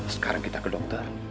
sekarang kita ke dokter